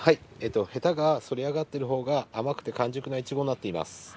へたが反り上がっているほうが甘くて完熟いちごになっています。